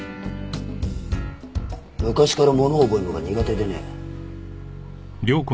昔からものを覚えるのが苦手でね。